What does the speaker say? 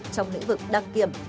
trong lĩnh vực đăng kiểm